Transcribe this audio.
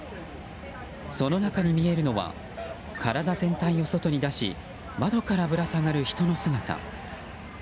その中に見えるのは体全体を外に出し窓からぶら下がる人の姿。